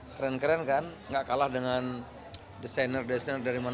keren keren kan gak kalah dengan desainer desainer dari mana